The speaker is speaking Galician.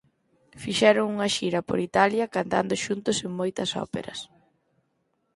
Fixeron unha xira por Italia cantando xuntos en moitas óperas.